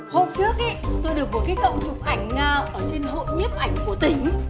hôm trước tôi được một cái cậu chụp ảnh ở trên hộ nhiếp ảnh của tỉnh